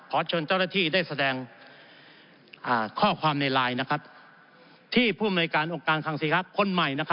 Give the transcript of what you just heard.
เชิญเจ้าหน้าที่ได้แสดงข้อความในไลน์ที่ผู้อำนวยการองค์การคังสินค้าคนใหม่